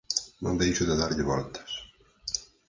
Non deixo de darlle voltas.